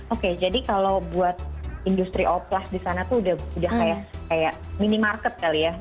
oke jadi kalau buat industri oplas di sana tuh udah kayak minimarket kali ya